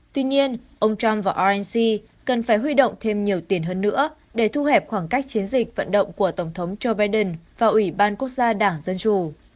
tuy nhiên ông trump và arensi cần phải huy động thêm nhiều tiền hơn nữa để thu hẹp khoảng cách chiến dịch vận động của tổng thống joe biden và ủy ban quốc gia đảng dân chủ